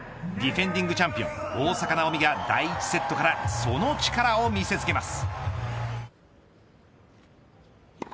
ディフェンディングチャンピオン、大坂なおみが第１セットからその力を見せつけます。